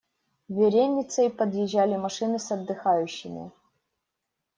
Вереницей подъезжали машины с отдыхающими.